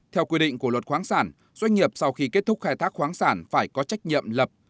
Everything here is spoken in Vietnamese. theo quy định của luật khoáng sản doanh nghiệp sau khi kết thúc khai thác khoáng sản phải có trách nhiệm lập